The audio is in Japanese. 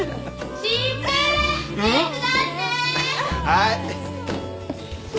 はい。